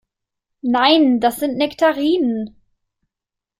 Nein, das sind Nektarinen.